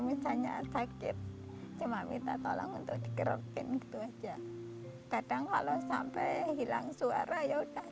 misalnya sakit cuma minta tolong untuk dikerokin gitu aja kadang kalau sampai hilang suara ya udah